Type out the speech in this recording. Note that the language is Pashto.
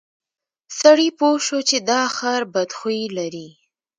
سړي پوه شو چې دا خر بد خوی لري.